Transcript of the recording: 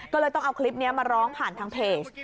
ก็เลยต้องเอาคลิปนี้มาร้องผ่านทางเพจ